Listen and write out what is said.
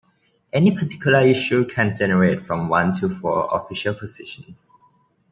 Any particular issue can generate from one to four official positions.